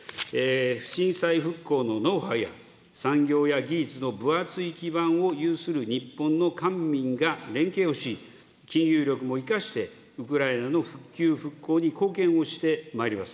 震災復興のノウハウや、産業や技術の分厚い基盤を有する日本の官民が連携をし、金融力も生かして、ウクライナの復旧・復興に貢献をしてまいります。